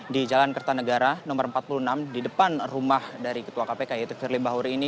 di jalan kertanegara nomor empat puluh enam di depan rumah dari ketua kpk yaitu firly bahuri ini